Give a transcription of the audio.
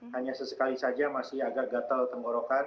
hanya sesekali saja masih agak gatel tenggorokan